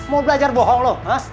mau belajar bohong loh